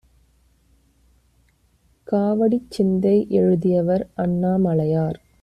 காவடிச்சிந்தை எழுதியவர் அண்ணாமலையார்